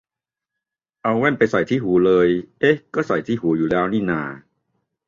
เอาแว่นไปใส่ที่หูเลย เอ๊ะ ก็ใส่ที่หูอยู่แล้วนี่นา